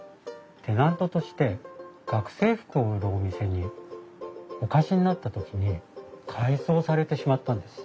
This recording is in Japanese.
テナントとして学生服を売るお店にお貸しになった時に改装されてしまったんです。